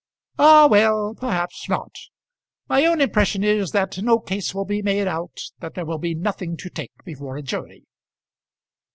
"Ah, well; perhaps not. My own impression is that no case will be made out; that there will be nothing to take before a jury."